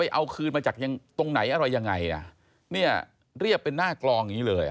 เอาคืนมาจากยังตรงไหนอะไรยังไงอ่ะเรียบเป็นหน้ากรองนี้เลย